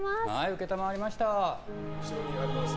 承りました。